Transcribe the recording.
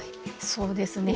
そうですね。